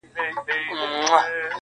ځکه چې ددې مخ بربنډ نه دی